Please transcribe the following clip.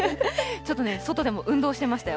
ちょっとね、外でも運動してましたよ。